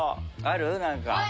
何か。